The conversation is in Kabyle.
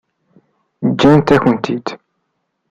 Ǧǧant-akent-tent-id.